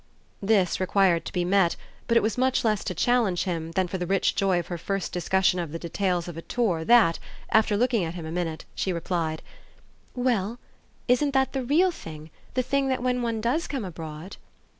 This required to be met, but it was much less to challenge him than for the rich joy of her first discussion of the details of a tour that, after looking at him a minute, she replied: "Well, isn't that the REAL thing, the thing that when one does come abroad